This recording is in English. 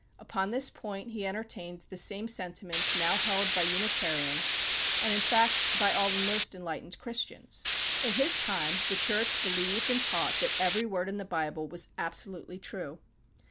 Upon this point he entertained the same sentiments now held by the Unitarians, and in fact by all the most enlightened Christians. In his time the Church believed and taught that every word in the Bible was absolutely true.